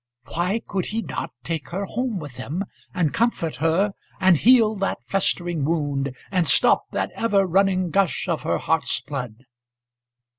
Why could he not take her home with him, and comfort her, and heal that festering wound, and stop that ever running gush of her heart's blood?